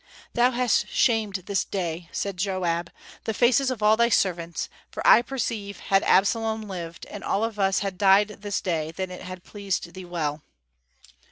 "Thou hast shamed this day," said Joab, "the faces of all thy servants; for I perceive had Absalom lived, and all of us had died this day, then it had pleased thee well."